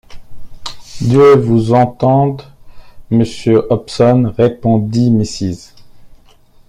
Dieu vous entende, monsieur Hobson! répondit Mrs.